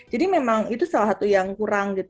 jadi memang itu salah satu yang kurang